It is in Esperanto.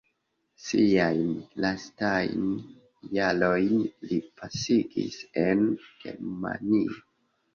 Siajn lastajn jarojn li pasigis en Germanio.